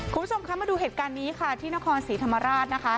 คุณผู้ชมคะมาดูเหตุการณ์นี้ค่ะที่นครศรีธรรมราชนะคะ